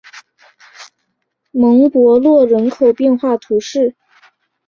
蒙博洛人口变化图示